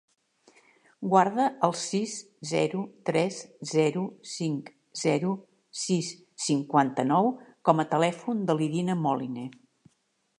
Guarda el sis, zero, tres, zero, cinc, zero, sis, cinquanta-nou com a telèfon de l'Irina Moline.